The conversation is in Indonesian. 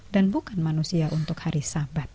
dan bukan manusia untuk hari sabat